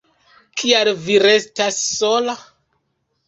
Kial vi restas sola?